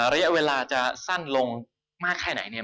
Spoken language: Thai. ระยะเวลาจะสั้นลงมากแค่ไหนเนี่ย